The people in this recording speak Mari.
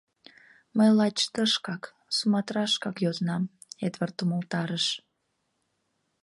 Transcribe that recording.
— Мый лач тышкак, Суматрашкак йодынам, — Эдвард умылтарыш.